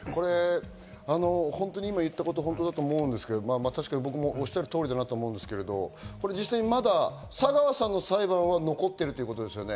今、言ったことは本当だと思うんですけど、確かに僕もおっしゃる通りだと思うんですけど、実際、佐川さんの裁判はまだ残っているんですよね。